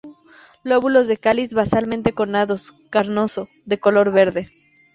Lóbulos del cáliz basalmente connados, carnoso, de color verde.